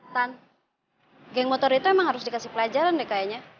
geng motor itu emang harus dikasih pelajaran nih kayaknya